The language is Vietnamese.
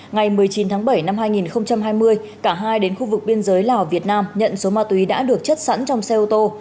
ngày một mươi chín tháng bảy năm hai nghìn hai mươi cả hai đến khu vực biên giới lào việt nam nhận số ma túy đã được chất sẵn trong xe ô tô